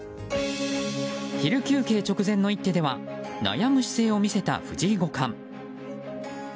昼休憩直前の一手では悩む姿勢を見せた藤井五冠。